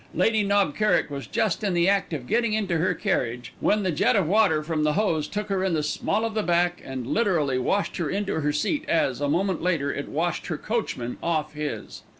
Lady Knob Kerrick was just in the act of getting into her carriage when the jet of water from the hose took her in the small of the back and literally washed her into her seat as, a moment later, it washed her coachman off his.